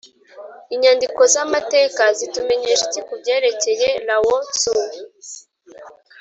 inyandiko z’amateka” zitumenyesha iki ku byerekeye lao-tzu?